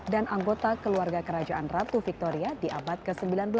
dan anggota keluarga kerajaan ratu victoria di abad ke sembilan belas